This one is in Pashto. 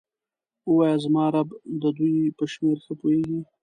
ووایه زما رب د دوی په شمیر ښه پوهیږي.